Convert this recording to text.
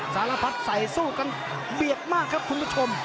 สารพัดใส่สู้กันเบียดมากครับคุณผู้ชม